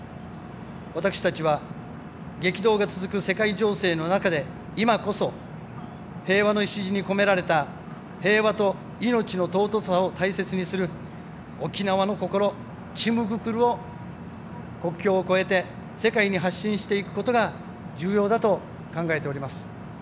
私たちは激動が続く世界情勢の中で今こそ、平和の礎に込められた平和と命の尊さを大切にする沖縄のこころ・チムグクルを国境を越えて世界に発信していくことが重要だと考えております。